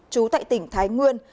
chú tại tỉnh thái nguyên